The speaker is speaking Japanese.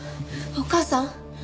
お母さん。